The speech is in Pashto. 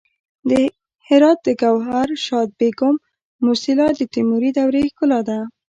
د هرات د ګوهرشاد بیګم موسیلا د تیموري دورې ښکلا ده